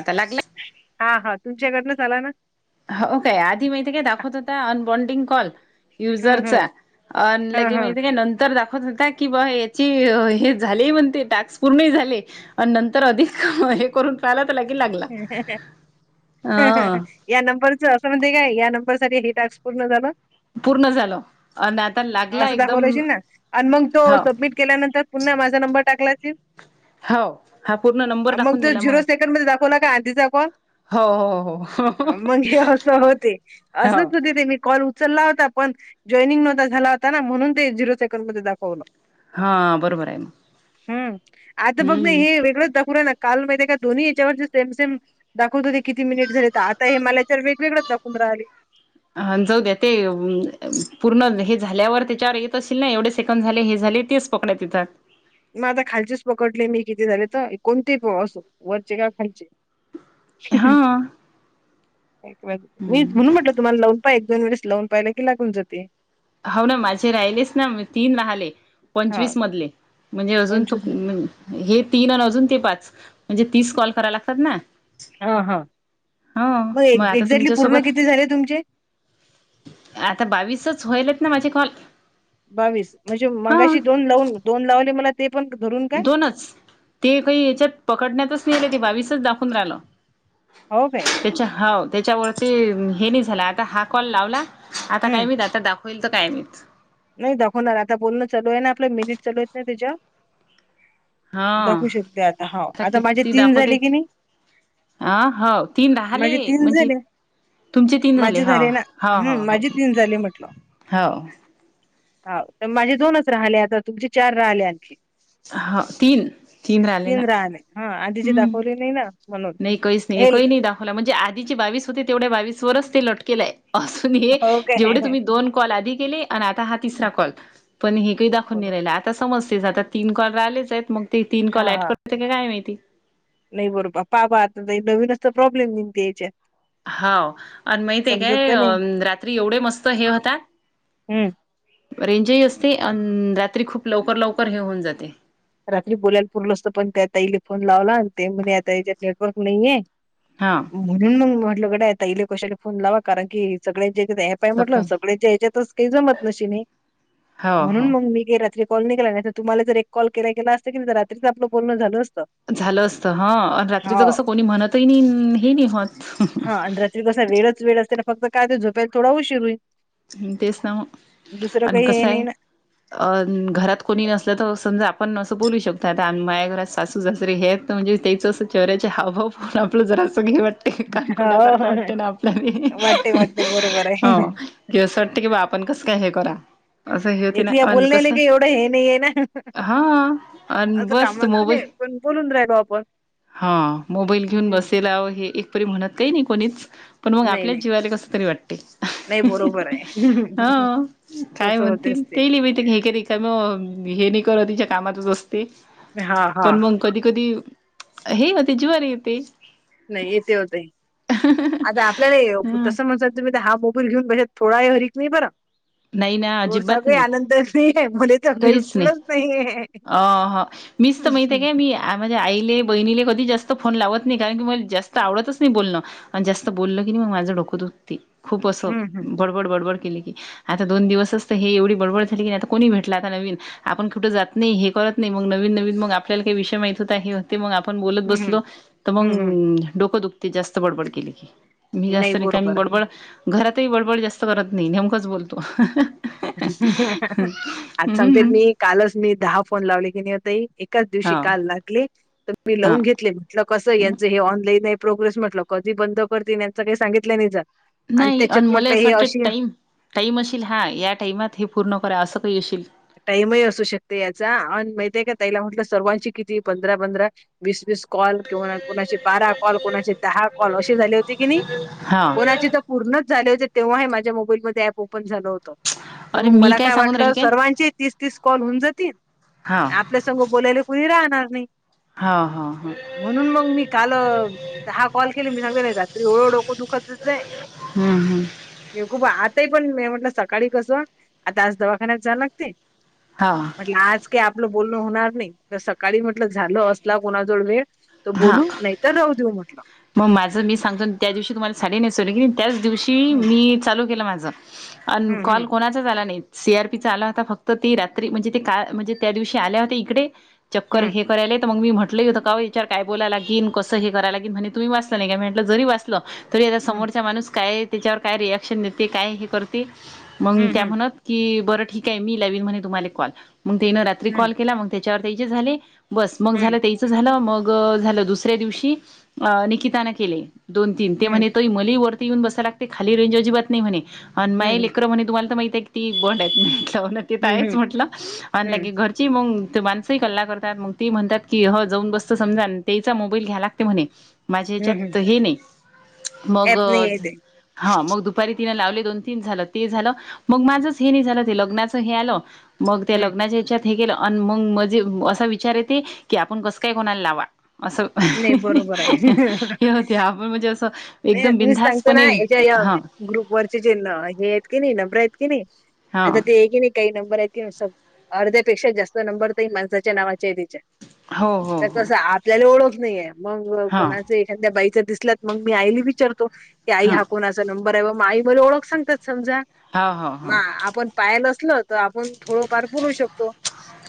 आता लागला हा हा तुमच्या इकडनं झाला ना. हाव काय आधी माहिते काय दाखवत होता अन बॉनडिंग कॉल हं, हं. युजरचा अ हं, लगे हं. माहिती का नंतर दाख वत होता की ब हेची हे झाले ही म्हणते टॅक्स पूर्ण ही झाले. आण नंतर अधिक हे करून पाहला त्याला की लागला अं. या नंबरचं असं म्हणतेे काय या नंबरसाठी हे टास्क पूर्ण झालं. पूर्ण झालं आणि आता लागला असं एकदम दाखवलशील ना आन मांग तो हो सबमिट केल्यानंतर पुन्हा माझा नंबर टाकला असेल. हो हा पूर्ण नंबर दाखवून दिला म. तर मले दाखवला काय आंटीचा फोन हो हो हो अ मग हे असं होते हो असच होते ते मी कॉल उचलला होता. पण जॉईनिंग नव्हता झाला होता ना म्हणून ते झिरो सेकड मध्ये दाखवलं. हा बरोबर आहे मग. हम्म आता बघ नाही हम्म हे वेगळंच दाखू राहिलं, काल माहिती आहे का ह्याच्यावरती? सेम सेम दाखवत होते किती मिनिट झाले तर आता हे मला याच्यावर वेगवेगळंच दाखवून राहिले. हं जाऊ द्या ते अ पूर्ण हे झाल्यावर तेच्यावर येत असशील ना एवढे सेकंड झाले हे झाले तेच कोकण्या तिथं. म आता खालचेच पकडले मी किती झाले तर एकोणतीस अ असेल वरचे काय खालचे. हं हं. हा एक मी म्हणून म्हटलं तुम्हाला लावून पाय एक दोन वेळेस लावून पाहिला की लागून जाते. हाव ना माझे राहिलेच ना म तीन राहाले. हा पंचवीसमधले म्हणजे अजून तो पंचवीस कु मिनिट म्हण हे तीन आण अजून ते पाच म्हणजे तीस कॉल कराय लागतात ना. हा हा हा मग म आता एक्झॅक्टली पूर्ण तुमच्यासोबत किती झाले तुमचे आता बावीसच व्हायलेत ना माझे कॉल. बावीस म्हणजे हा मगाशी दोन लावून दोन लावले मला ते पण धरून काय दोनच ते काय हेच्यात पकडण्यातच नाई आले ते बावीसच दाखवून राहल. हो बाई. तेच्या हा तेच्यावरती हे नाही झाला आता हा कॉल लावला आता काय हम्म मी डाटा दाखव होईल का काय माहीत. नाही दाखवणार आता बोलणं चालू आहे ना आपलं मिनिट चालू आहेत ना तेच्या. दाखवू शकते आता हाव आता माझे तीन झाले की नाही. आ हाव तीन माझे राहले तीन म्हणजे झाले तुमचे तीन झाले माझे हा ना हा हो हम्म हो माझे तीन झाले हाव. हाव तर माझे दोनच राहाले आता तुमचे चार राहिले आणखी. अ हा तीन तीन राहिले ना. हा आधी चे हम्म दाखवले नाई ना म्हणून. नाही काहीच नाही हे एक ही नाही दाखवला म्हणजे आधीची बावीस होते तेवढ्या बावीस वरच ते लटकेलं आहे. असून हे हो जेवढे काय तुम्ही दोन कॉल आधी केले आणि आता हा तिसरा कॉल. पण हे काही दाखवून नाही बरोबर राहिल्या अँप तर समजतेस आता तीन कॉल राहिलेच आहेत मंग ते तीन हा कॉल ऍड हा करते की काय माहिती. नाही बरोबर पा बा आता नवीन असत प्रॉब्लेम न त्या याच्यात. हाव आण माहितय समजत काय तर अ नाही रात्री एवढे मस्त हे होता. हम्म रेंजही असते आणि रात्री खूप लवकर लवकर हे होऊन जाते. रात्री बोलायला पुरलं असत पण त्या ताईंले फोन लावला आणि ते म्हणे आता हेच्यात नेटवर्क नाहीये. हा. म्हणून मंग मी म्हटलं गड़्या ताईले कशाला फोन लावा कारण की सगळ्याच्या ह्यच्यातचं अँप आहे म्हटलं, सगळ्याच्या ह्याच्यातच काही जमत नशीन नाही. हो म्हणून हो. मग मी काय रात्री कॉल नाय केला नाहीतर तुम्हाला जर एक कॉल केला गेला असत की नी जर रात्रीच आपलं बोलण झालं असतं. झालं असतं हा आण रात्रीच हा कसं कोणी म्हणतही नाही हे नाही होत. हा आणि रात्री कसा वेळच वेळ असते ना फक्त काय ते झोपायाला थोडा उशीर होईल. हं तेच ना म दुसरं आणि काही हे कसं नाही आहे. ना अं घरात कोणी नसलं तर समजा आपण असं बोलू शकतो आता आ माझ्या घरात सासू सासरे हे आहेत. तर म्हणजे तेचं असं चेहऱ्याचे हावभाव पाहून आपलं जरा असं हे वाट ते काणकोड्याळ सारखं वाटत हो ना आपल्याला वाटते हे हे वाटते बरोबर अ आहे. हो. की असं वाटते की बा आपण कसं काय हे करा. असं हे होते एक ना या अन बोलण्याला कसं की एवढं हे नाहीय ना हा अन असं बस कामाच नाही आहे. मोबाईल पण बोलून रायलो आपण. हा मोबाईल घेऊन हं, बसेल्यावर हे एक तरी म्हणत काही नाही कोणीच पण म नाही आपल्याच नाही जीवाले कसं तरी वाटते अ नाही हं हं बरोबर हं. आहे हाव काय तस होतेच म्हणतील ते तेईले काय माहिती हे काय रिकामं हे नाय करत तिच्या कामातच असते हा हा पण मंग कधी कधी हे होते जीवावर येते. नाही येते ओ ताई. आता आपल्याला ह तसं मज तुम्ही तर हा मोबाईल घेऊन बसेल थोडा [unintelligible] नाही बरा. [inaudible] नाही ना अजिबात नाही नाही आहे मुले तर काहीच नाही बिलकुलच नाहीये. अ हा मीच तर माहिते हम्म काय मी माझ्या आईले, बहिणीले कधीच जास्तं फोन लावत नाही. कारण की मला जास्त आवडतच नाही बोलणं. आणि जास्त बोलल की नाही मग माझं डोक दुखती. खूप असं हम्म बडबड बडबड केले की आता दोन दिवसच तर हे एवढी बडबड झाली, की नाही आता कोणी भेटला आता नवीन आपण कुठे जात नाही हे करत नाही मग नवीन नवीन मग आपल्याला काही विषय माहत होत आहे. ते मग आपण बोलत हम्म बसलो तर मग हम्म हम्म डोकं दुखते जास्त बडबड केली की. मी नाही जास्त रिकामी बरोबर आहे. बडबड घरातही बडबड जास्त करत नाही नेमकंच बोलतो. आज सांगते हम्म मी कालच मी दहा फोन लावले की नाही ओ ताई होता एकाच दिवशी हा काल लागली तर मी लवून हा घेतले म्हटलं कसच हे ऑनलाईन प्रोग्रेस म्हटलं कधी बंद करते त्यांच काही सांगितलं नाही जा नाही आणि मला असं वाटतं टाईम टाईम असशल हा या टाइमात हे पूर्ण करा असं काही असशीलल टाईमही असू शकते याचा आणि माहिती आहे का तीला म्हणटलं सर्वांची किती पंधरा पंधरा बी बीस कॉल किंवा कोणाचे बारा कॉल कोणचे दहा. कॉल अशी झाली होती की नाही हा कोणाची पूर्णच झाले होते तेव्हा माझ्या मोबाईलमध्ये ऍप ओपन झालं होत तर अरे मग मी मला काय सांगून राहील वाटलं काय सर्वां तीस तीस कॉल होऊन जातील हा आपल्यासग बोलायला कोुणी राहणार नाही. हा.. हा.. ह म्हणून मग मी काल... तर दहा कॉल केली मी सांगते नाही रात्री एवढं डोक दुखत होते. हम्म हम्म खूप आताही पण म म्हटलं सकाळी कसं आता आज दवाखान्यात जाव लागते हा म्हट आज काही आपलं बोलणं होणार नाही तर सकाळी म्हटलं झालं असला कोणाजवळ वेळ, तो हा बोलू नाहीतर राहू देऊ म्हटलं मग माझं मी सांगतो त्या दिवशी तुम्हाला साडी नेसवली की त्याच दिवशी हम्म मी चालू केलं माझं. अन कॉल हम्म कोणाचा आला नाही सी आरपीचा आला होता फक्त ते रात्री म्हणजे ते का म्हणजे त्या दिवशी आल्या होत इकडे चक्कर हम्म हे कराय तर मग म म्हटलं क होतं काय याचार काय बोलायलागे कस हे करायलागेन म्हणे. तुम्ही वाचता नाही काय म्हटलं जरी वाचला तरी आता हम्म समोरचा माणूस काय त्याच्यावर काय रिॲक्शन देते काय हे करते मग त्या हम्म म्हणत कि बरं ठीक आहे मी लावेण म्हणे तुम्हाला कॉल मग तेन रात्री हम्म कॉल केला मग त्याच्यावर ते जे झाले बस मग हम्म झालं तेच झालं मग झालं दुसऱ्या दिवशी अ निकितान केले. दोन तीन ते हम्म म्हणे तो इमली वरती येऊन बसाय लागते खाली रेंज अजिबातत म्हणे आणि मा हम्म लेकर म्हणे तुम्हाला तर माहित आहे क ती बॉन्ड आहेत म्हटला ते तर हम्म आहेच हम्म म्हटलं आणिगे हम्म घर ची मग ते माणसंही कल्ला करतात मग ती म्हणतात की ह जाऊन बसत समजा आणि तेचा मोबाईल घ्या लागते म्हणे. माझ्या हम्म हम्म हच्यात हे नाही मग ऍप नाही येते हा मग दुपारी तिन लावले, दोन, तीन झालं ते झालं मग माझंच हे नाही झालं ते लग्नाच हे आलं मग ते हम्म लग्नाच्या याच्यात हे केलं मग मणजे असा विचार येते की, आपण कसं काय कोणाला लावा असं. ह नाही हं हं बरोबर एकदम मी सांगतो ना बिनधास्तपणे याच्या या हा ग्रुप वरचे जे हेय आहेत की मी किनी नंबरं यतकिनी हा अ ते हेगन काही नंबर आहेत कि अर्ध्यापेक्षा जास्त नंबर त माणसाच्या नावाचे तिच्या हो हो तर हो कस आपल्याला ओळख नाहीये मग हा कोणाच त्यां बाईच दिसलात मग मी आईला विचारतो की आई हा कोण च नंबर आहे व माही मला ओळख सांगता समजा हो हो हो मा आपण पाहिलं असल तर आपण थोडंफार बोलू शकतो.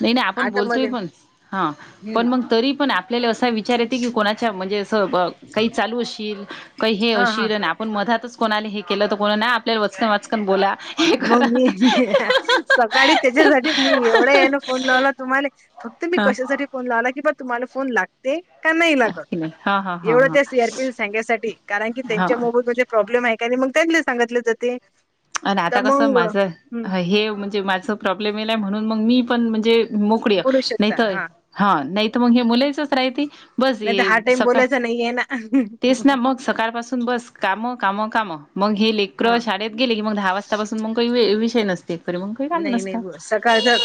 नाही ना आपण आता बोलतोय मध्ये पण हा हम्म पण मंग तरी पण आ आपल्याला असा विचार येते की कोणाच्या म्हणजे असं ब काही चालू असशील, काही हे हा हा असशील आन आप पण मधातच कोणाले हे केलं तर कोणा ना आपल्या वचकन वाचकन बोला. हे मग करा मी सकाळी त्याच्यासाठीच मी एवढं हे ना फोन लावला तुम्हाले फक्त मी हा कशासाठी फोन लावला की ब तुम्हाला फोन लागते. का नाही लागत हा हा हा एवढं हा त्या सीआरपीएल सांग्यासाठी कारण की हा त्यांच्या मोबतमध्ये प्रॉब्लेम आहे का मग त्यागले सांगितलं जात ते. आणि आता कसं माझं ह हे म्हणजे माझं प्रॉब्लेम येलय म्हणून मग मी पण म्हणजे. मोकळीय बोलू शकता नाहीत हा नाही तर मग हे मुलाचच राहती. बस नाही तर ये हा टाइम सकाळ. बोलायचा [unintelligible] तेच ना मग सकाळपासून बस कामं कामं कामं मग हे लेकरं हा शाळेत गेले की मग दहा वाजतापासून मग काही विषय नसते एककरी मग काही काम नसत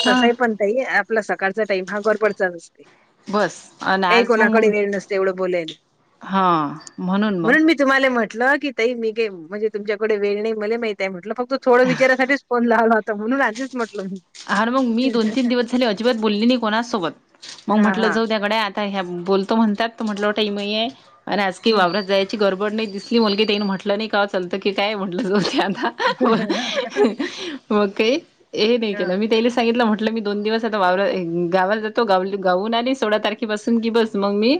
हा. काई आपला सकाळचा टाईम हा गडबडचा नसते बस आणि काही कोणाकडे वेळ नस तेवढं बोलायले हां म्हणून मग. तुम्हाला म्हटलं की ताई मीे के म्हणजे तुमच्याकडे वेळ नाही मले मा म्हटलं फ तो थोड विचारासाठीच फोन लावला होता म्हणूनच आधीच मट अर मग मी दोन तीन दिवस झाले अजिबात बोलली नाही कोणा सोबत मग हा म्हटलं हा जाऊद्या गड्या. ह्या बोलतो म्हणतात त म्हटलं होटं टाईम नाही आहे आणि आजकी हम्म वावररत जायच. काही गडबड नाही दिसली मुलगी देईन म्हटलं नाही का? चालतो की काय म्हटलं दुसऱ्यांदा मकई ए नाही. ते सांगितलं म्हटलं मी दोन दिवस आता वावर गावात जातो गाऊन आले सोळा तारख बसून की बस मग मी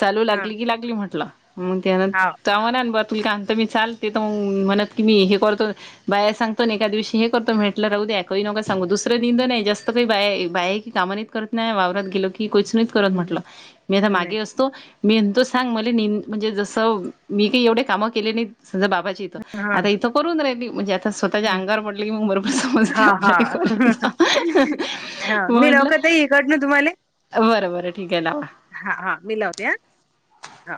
चालू हा हा लागली की लागली म्हटलं मग त्यान. हा त्याव ना बरं तुला काता मी चाल ते तर मग म्हणत की मी हे करतो. बाया सांगतो एका दिवशी हे करतो म्हटलं राहू द्या काही नको सांगू दुसरं दिन नाही जास्त काही बाये बाहे की कामा नाहीत करत नाही वावरात गेलो की कोच नाह करत म्हटलं नाही मी आता नाही मागे अस तो मी तो सांग मले मी म्हणजे जसं मी काही एवढे कामा केले नाही सजा बाबाची. हा आता इथं करून राहिली म्हणजे आता स्वतःच्या हम्म अंगावर पडले की मग बरोबर समजते हा हा आपल्या मी लावू म्हटलं का ताई इकडंन तुम्हाले? बरं बरं ठीक आहे लावा. हा हा मी लावते हा. हा